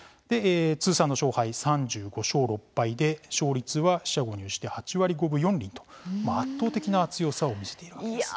通算の勝敗、３５勝６敗で勝率は、四捨五入して８割５分４厘と、圧倒的な強さを見せているわけです。